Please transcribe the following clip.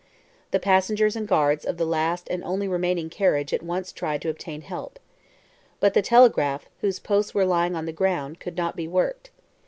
The passengers and guards of the last and only remaining carriage at once tried to obtain help. But the telegraph, whose posts were lying on the ground, could not be worked.